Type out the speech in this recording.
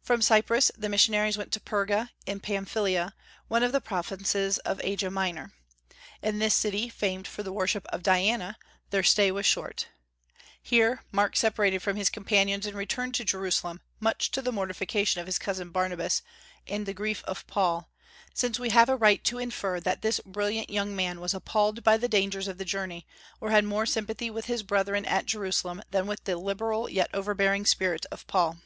From Cyprus the missionaries went to Perga, in Pamphylia, one of the provinces of Asia Minor. In this city, famed for the worship of Diana, their stay was short. Here Mark separated from his companions and returned to Jerusalem, much to the mortification of his cousin Barnabas and the grief of Paul, since we have a right to infer that this brilliant young man was appalled by the dangers of the journey, or had more sympathy with his brethren at Jerusalem than with the liberal yet overbearing spirit of Paul.